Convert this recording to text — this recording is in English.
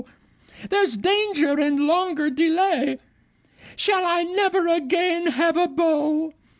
There's danger in longer delay! Shall I never again have a beau?